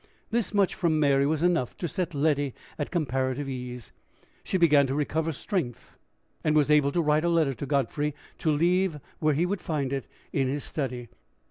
This much from Mary was enough to set Letty at comparative ease. She began to recover strength, and was able to write a letter to Godfrey, to leave where he would find it, in his study.